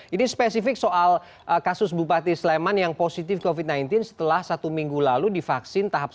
ini spesifik soal kasus bupati sleman yang positif covid sembilan belas setelah satu minggu lalu divaksin tahap satu